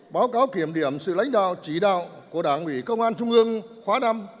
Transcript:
báo cáo kiểm điểm sự lãnh đạo chỉ đạo của đảng ủy công an trung ương khóa năm